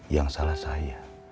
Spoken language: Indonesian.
yang salah saya